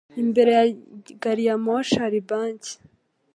Imbere ya gariyamoshi hari banki.